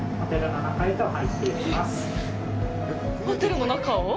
ホテルの中を？